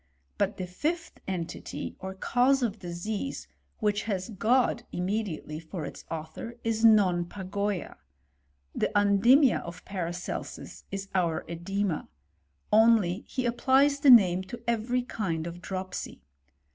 But the fifth entity, or cause of disease, which has God immediately for 152 HX8T0&T OF CHEMISTRY. its author, is nan pagoya. The undimia of Patacetetit is our cedema ; only he applies the name to every kind of dropsy.